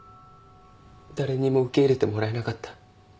誰にも受け入れてもらえなかった。